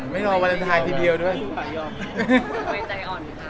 ไม่รอวันสันทายทีเดียวด้วย